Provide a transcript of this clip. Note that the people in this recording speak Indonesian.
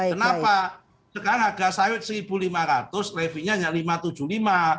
kenapa sekarang harga sawit rp satu lima ratus revie nya hanya rp lima ratus tujuh puluh lima